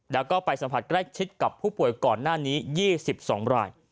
แล้วก็ไปสัมผัสใกล้ชิดกับผู้ป่วยก่อนหน้านี้๒๒ราย